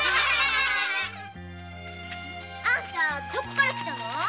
どこから来たの？